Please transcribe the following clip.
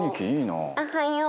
おはよう。